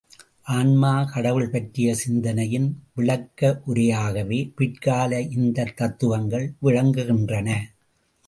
ஆன்மா கடவுள் பற்றிய சிந்தனையின் விளக்கவுரையாகவே பிற்கால இந்த தத்துவங்கள் விளங்குகின்றன.